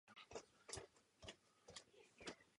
Je to proces.